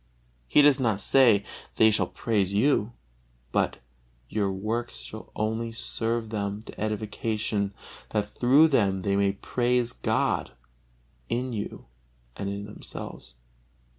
He does not say, "they shall praise you," but "your works shall only serve them to edification, that through them they may praise God in you and in themselves."